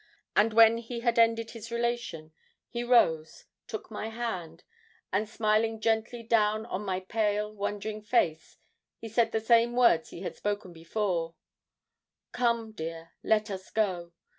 And when he had ended his relation, he rose, took my hand, and smiling gently down on my pale, wondering face, he said the same words he had spoken before 'Come, dear, let us go.'